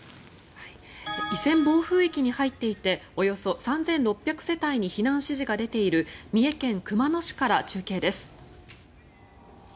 以前、暴風域に入っていておよそ３６００世帯に避難指示が出ている三重県熊野市から中継です。